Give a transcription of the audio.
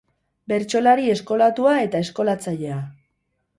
Bertsolari eskolatua eta eskolatzailea.